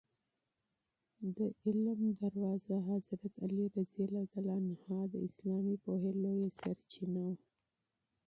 د علم دروازه علي رض د اسلامي پوهې لویه سرچینه وه.